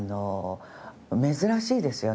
珍しいですよね。